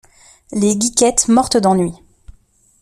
Les geekettes mortes d’ennui.